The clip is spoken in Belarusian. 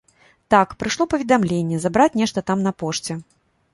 Так, прыйшло паведамленне забраць нешта там на пошце.